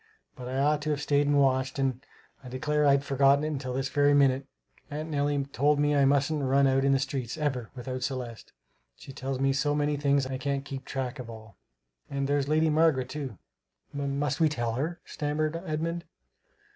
But I ought to have staid and watched and I declare I'd forgotten it till this very minute aunt Nellie told me I mustn't run out in the streets, ever, without Celeste; she tells me so many things I can't keep track of all. And there's Lady Margaret too" "M must we tell her?" stammered Edmund.